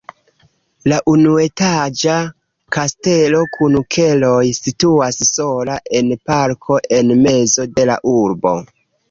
La unuetaĝa kastelo kun keloj situas sola en parko en mezo de la urbo.